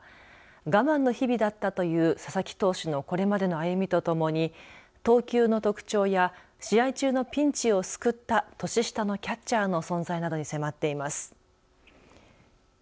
我慢の日々だったという佐々木投手のこれまでの歩みとともに投球の特徴や試合中のピンチを救った年下のキャッチャーの存在などに迫っています。